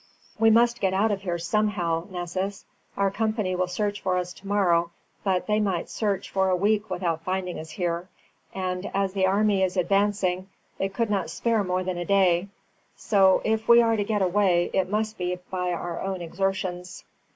"We must get out of here somehow, Nessus. Our company will search for us tomorrow; but they might search for a week without finding us here; and, as the army is advancing, they could not spare more than a day; so, if we are to get away, it must be by our own exertions."